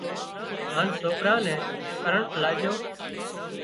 هانَ سوڪرا نين ڪرنٽ لاڄون